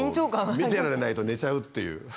見てられないと寝ちゃうっていう。